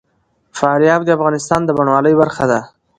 فاریاب د افغانستان د بڼوالۍ برخه ده.